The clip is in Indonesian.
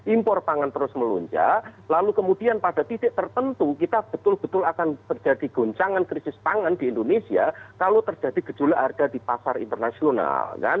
impor pangan terus melunca lalu kemudian pada titik tertentu kita betul betul akan terjadi goncangan krisis pangan di indonesia kalau terjadi gejolak harga di pasar internasional